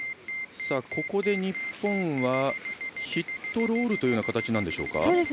ここで日本はヒットロールという形でしょうか。